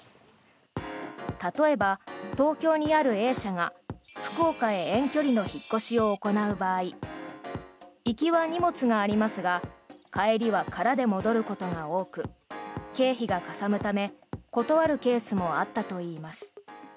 例えば、東京にあるＡ社が福岡へ遠距離の引っ越しを行う場合行きは荷物がありますが帰りは空で戻ることが多く経費がかさむため断るケースもあったといいます。